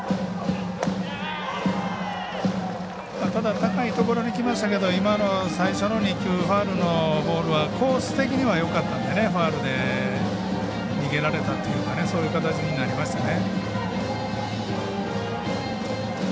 高いところにきましたけど最初の２球、ファウルのボールはコース的には、よかったんでファウルで逃げられたというかそういう形になりましたね。